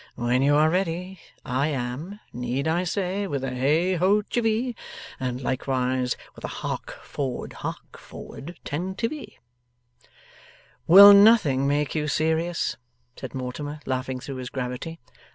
When you are ready, I am need I say with a Hey Ho Chivey, and likewise with a Hark Forward, Hark Forward, Tantivy?' 'Will nothing make you serious?' said Mortimer, laughing through his gravity.